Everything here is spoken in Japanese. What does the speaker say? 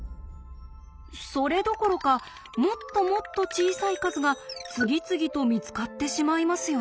それどころかもっともっと小さい数が次々と見つかってしまいますよね。